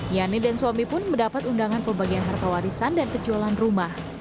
yani dan suami pun mendapat undangan pembagian harta warisan dan kejualan rumah